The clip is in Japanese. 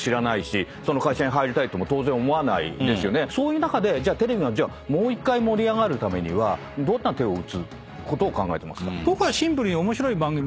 そういう中でテレビがもう１回盛り上がるためにはどんな手を打つことを考えていますか？